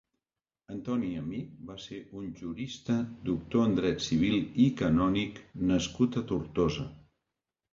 Antoni Amic va ser un «Jurista; doctor en dret civil i canònic» nascut a Tortosa.